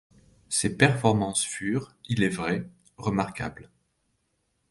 Ses performances furent, il est vrai, remarquables.